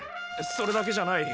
それだけじゃない。